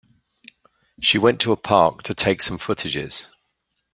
She went to a park to take some footages.